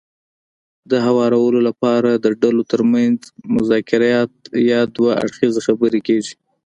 د هوارولو لپاره د ډلو ترمنځ مذاکرات يا دوه اړخیزې خبرې کېږي.